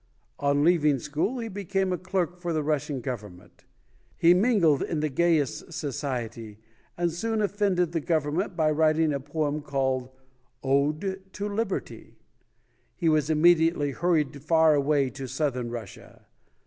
On leaving school, he became a clerk for the Russian Government. He mingled in the gay est society and soon offended the government by writing a poem called "Ode to Liberty". He 110 ] UNSUNG HEROES was immediately hurried far away to Southern Russia.